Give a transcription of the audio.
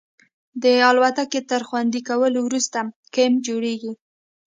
د الوتکې تر خوندي کولو وروسته کیمپ جوړیږي